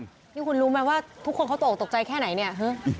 พี่คุณรู้ไหมว่าทุกคนเขาตกตกใจแค่ไหนเนี่ย